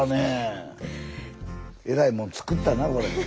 えらいもん作ったなこれ。